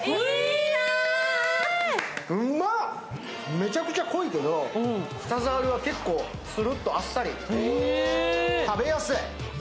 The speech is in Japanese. めちゃくちゃ濃いけど舌触りは結構するっとあっさり食べやすい。